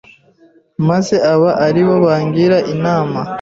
maze aba ari bo bangira inama